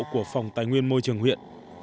của phòng tài nguyên môi trường huyện